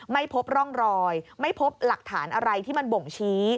ไม่พบร่องรอยไม่พบหลักฐานอะไรที่มันบ่งชี้